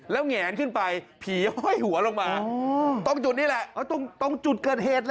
แล้วแหงขึ้นไปผีห้อยหัวลงมาตรงจุดนี้แหละตรงจุดเกิดเหตุเหรอ